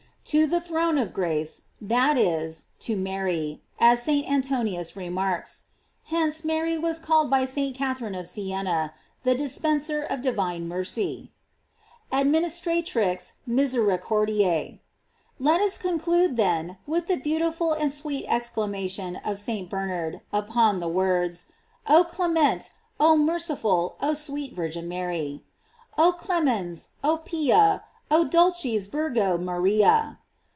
* To the throne of grace, that is, to Mary, as St. Antoninus remarks.f Hence, Mary was called by St. Catherine of Sienna; The dispenser of di Tine mercy: *' Administratrix misericordise." Let us conclude, then, with the beautiful and sweet exclamation of St. Bernard upon the words: Oh clement, oh merciful, oh sweet Virgin Mary! "Oh clemens, O pia, O dulcis Virgo Maria."